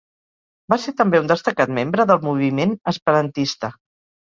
Va ser també un destacat membre del moviment esperantista.